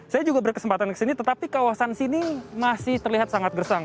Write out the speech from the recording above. saya juga berkesempatan ke sini tetapi kawasan sini masih terlihat sangat gersang